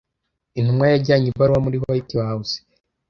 Intumwa yajyanye ibaruwa muri White House.